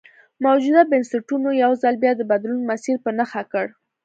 موجوده بنسټونو یو ځل بیا د بدلون مسیر په نښه کړ.